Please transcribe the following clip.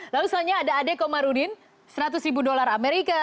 lalu selanjutnya ada adek omaruddin seratus ribu dolar amerika